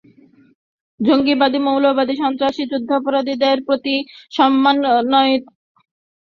জঙ্গিবাদী-মৌলবাদী-সন্ত্রাসবাদী-যুদ্ধাপরাধীদের প্রতি সামান্য নমনীয়তা দেশে আবার ভয়াবহ বিপদ ডেকে আনতে পারে।